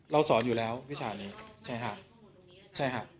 เราสอนอยู่แล้ววิชานี้ใช่ค่ะ